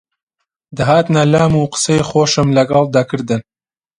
دەهاتنە لام و قسەی خۆشم لەگەڵ دەکردن